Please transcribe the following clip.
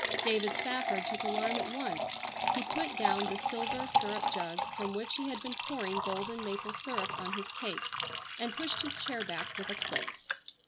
David Spafford took alarm at once. He put down the silver syrup jug from which he had been pouring golden maple syrup on his cakes, and pushed his chair back with a click.